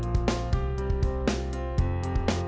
aduh aduh aduh aduh